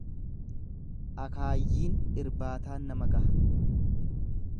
Akaayyiin irbaataan nama gaha.